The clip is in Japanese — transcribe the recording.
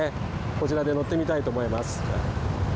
こちらで乗ってみたいと思います。